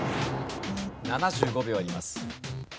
７５秒あります。